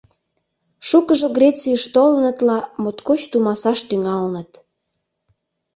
Шукыжо Грецийыш толыныт ла моткоч тумасаш тӱҥалыныт.